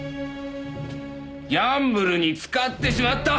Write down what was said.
ギャンブルに使ってしまった！